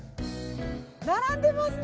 並んでますね。